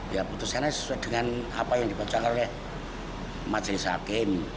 ya putusannya sesuai dengan apa yang dibacakan oleh majelis hakim